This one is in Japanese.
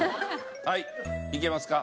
はいいけますか？